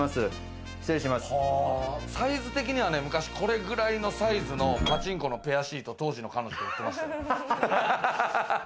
サイズ的には、このくらいのサイズのパチンコのペアシート、当時の彼女と行ってた。